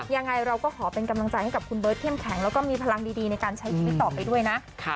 ยังไงเราก็ขอเป็นกำลังใจให้กับคุณเบิร์ตเข้มแข็งแล้วก็มีพลังดีในการใช้ชีวิตต่อไปด้วยนะ